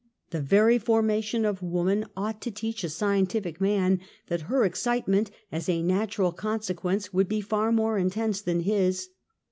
The very formation of woman ought to teach a scientific man that her excitement as a natural consequence ^ would be far more intense than his.